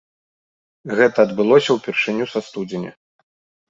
Гэта адбылося ўпершыню са студзеня.